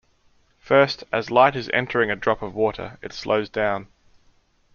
First, as light is entering a drop of water, it slows down.